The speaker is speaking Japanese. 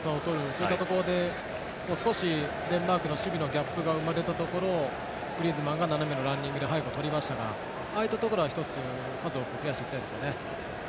そういったところで、少しデンマークの守備にギャップが生まれたところをグリーズマンが斜めのランニングで取りましたからああいったところは数を多く増やしていきたいですね。